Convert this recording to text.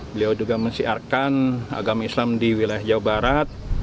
beliau juga mensiarkan agama islam di wilayah jawa barat